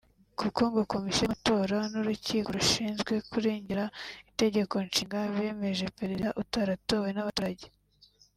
kuko ngo Komisiyo y’amatora n’Urukiko rushinzwe kurengera Itegeko Nshinga bemeje Perezida utaratowe n’abaturage